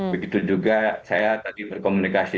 begitu juga saya tadi berkomunikasi